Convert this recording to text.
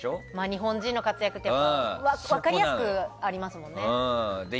日本人の活躍って分かりやすくありますよね。